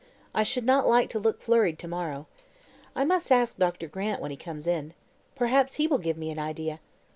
I should not like to look flurried to morrow. I must ask Dr. Grant when he comes in. Perhaps he will give me an idea.